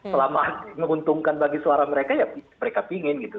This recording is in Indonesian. selama menguntungkan bagi suara mereka ya mereka pingin gitu